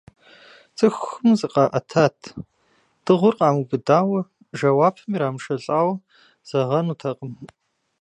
Цӏыхум зыкъаӏэтат, дыгъур къамыубыдауэ, жэуапым ирамышэлӀауэ зэгъэнутэкъым.